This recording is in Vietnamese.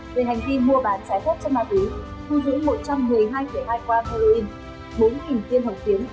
về hành vi mua bán trái phép chất ma túy thu giữ một trăm một mươi hai hai quả heroin bốn tiên hồng tiến